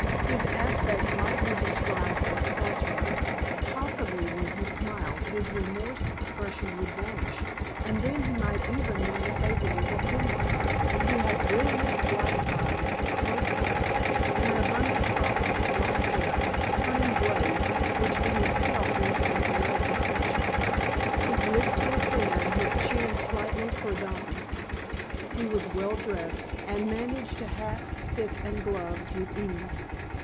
His aspect might be described as saturnine. Possibly, when he smiled, this morose expression would vanish, and then he might even win a favorable opinion. He had brilliant black eyes, close set, and an abundant crop of black hair, turning gray, which, in itself, lent an air of distinction. His lips were thin, his chin slightly prominent. He was well dressed, and managed a hat, stick, and gloves with ease.